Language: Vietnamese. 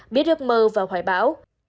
biết ước mơ và hoài bão